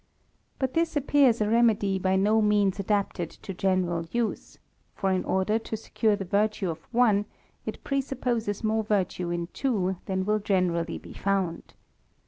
But this appears a remedy by no means adapted to general use : for in order to securg~the virtue of one, it presupposes more virtue in two than will generally be found.